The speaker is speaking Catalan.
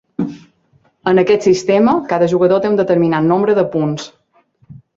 En aquest sistema, cada jugador té un determinat nombre de punts.